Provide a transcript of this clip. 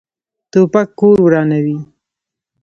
توپک کور ورانوي.